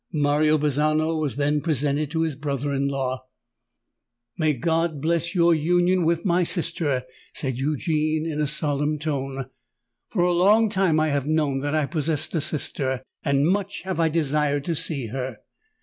Mario Bazzano was then presented to his brother in law. "May God bless your union with my sister!" said Eugene, in a solemn tone. "For a long time I have known that I possessed a sister—and much have I desired to see her.